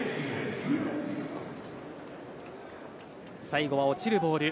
最後は落ちるボール。